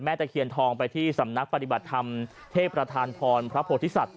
ตะเคียนทองไปที่สำนักปฏิบัติธรรมเทพประธานพรพระโพธิสัตว